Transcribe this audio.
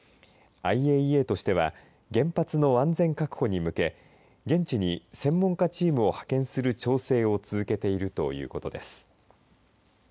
ＩＡＥＡとしては原発の安全確保に向け現地に専門家チームを発見する調整を続けているということです。